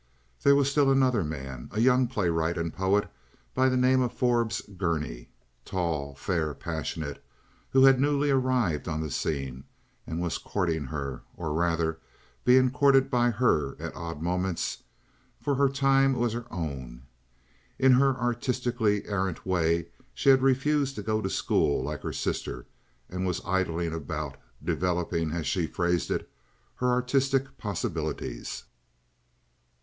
There was still another man—a young playwright and poet by the name of Forbes Gurney—tall, fair, passionate—who had newly arrived on the scene and was courting her, or, rather, being courted by her at odd moments, for her time was her own. In her artistically errant way she had refused to go to school like her sister, and was idling about, developing, as she phrased it, her artistic possibilities.